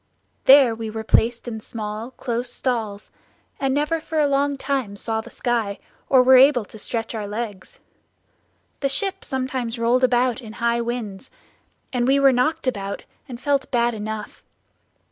There we were placed in small close stalls, and never for a long time saw the sky, or were able to stretch our legs. The ship sometimes rolled about in high winds, and we were knocked about, and felt bad enough.